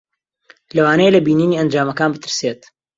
لەوانەیە لە بینینی ئەنجامەکان بترسێت.